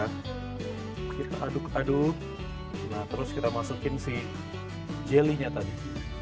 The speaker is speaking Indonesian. kita aduk aduk terus kita masukin si jelinya tadi